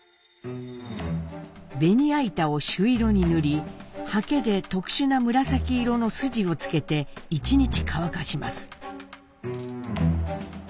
ベニヤ板を朱色に塗りはけで特殊な紫色の筋を付けて一日乾かします。